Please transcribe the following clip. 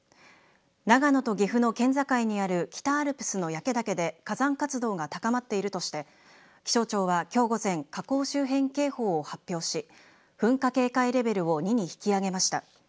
長野と岐阜の県境にある北アルプスの焼岳で火山活動が高まっているとして気象庁は、きょう午前火口周辺警報を発表し噴火警戒レベルを２に引き上げました。